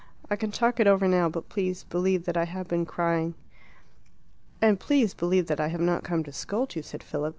I can talk it over now; but please believe that I have been crying." "And please believe that I have not come to scold you," said Philip.